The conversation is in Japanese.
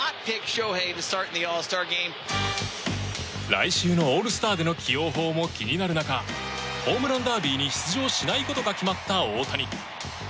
来週のオールスターでの起用法も気になる中ホームランダービーに出場しないことが決まった大谷。